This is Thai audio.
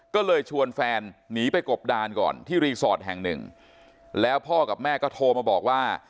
ก็เลยชวนแฟนหนีไปกบดานก่อนที่รีสอร์ทแห่งหนึ่งแล้วพ่อกับแม่ก็โทรมาบอกว่า